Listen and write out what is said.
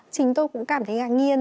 chính tôi cũng cảm thấy ngạc nhiên